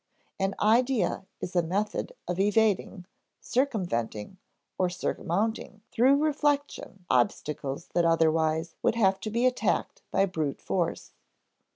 An idea is a method of evading, circumventing, or surmounting through reflection obstacles that otherwise would have to be attacked by brute force.